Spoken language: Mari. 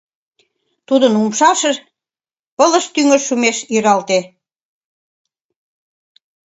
Тузын умшаже пылыш тӱҥыш шумеш иралте: